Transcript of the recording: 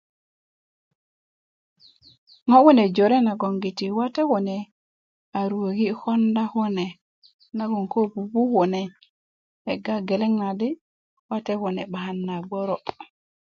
ŋo' kune jore nagoŋgiti wate kune a ruköki' konda kune nagoŋ koo pupu kune kegga togeleŋ na di wate kune 'bakan na gboro'